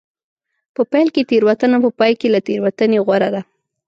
په پیل کې تېروتنه په پای کې له تېروتنې غوره ده.